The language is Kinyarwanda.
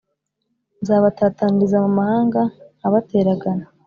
nzabatataniriza mu mahanga nkabateragana